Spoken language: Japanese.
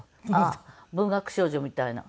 文学少女みたいな。